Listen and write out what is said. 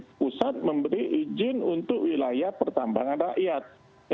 pemerintah pusat memberi izin untuk wilayah pertambangan rakyat